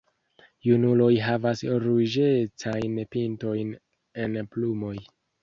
Junuloj havas ruĝecajn pintojn en plumoj.